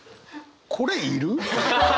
これいる？